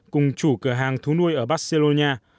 cùng chủ cửa hàng thú nuôi ở barcelona